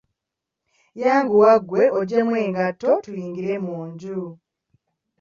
Yanguwa gwe oggyemu engato tuyingire mu nju.